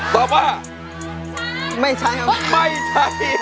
ตอบว่าไม่ใช้ครับ